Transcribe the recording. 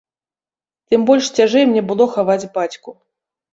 Тым больш цяжэй мне было хаваць бацьку.